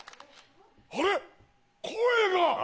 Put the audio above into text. あれ⁉声が！